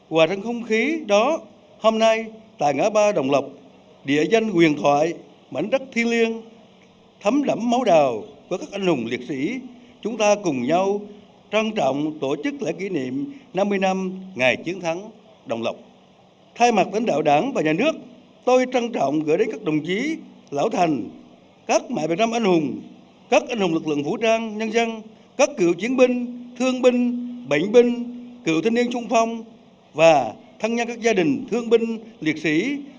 hòa thân không khí đó hôm nay tại ngã ba đồng lộc địa danh huyền thoại mành đất thi liêng thấm đẩm máu đào của các anh hùng liệt sĩ